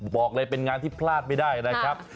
บอกเลยเป็นงานที่พลาดไม่ได้นะครับ